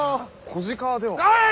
子鹿では？